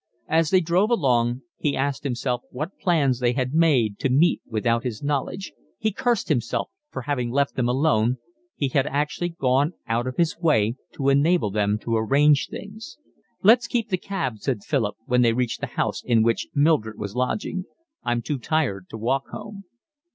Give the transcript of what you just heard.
As they drove along he asked himself what plans they had made to meet without his knowledge, he cursed himself for having left them alone, he had actually gone out of his way to enable them to arrange things. "Let's keep the cab," said Philip, when they reached the house in which Mildred was lodging. "I'm too tired to walk home."